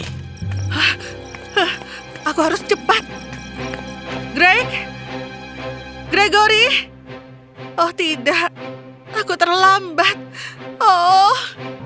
hah aku harus cepat greg gregory oh tidak aku terlambat oh